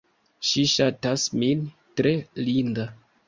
Ŝi ŝatas min. Tre linda.